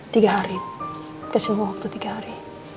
tiga hari beri mama waktu tiga hari